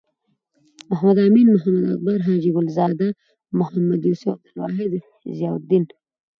محمد امین.محمد اکبر.حاجی ګل زاده. محمد یوسف.عبدالواحد.ضیاالدین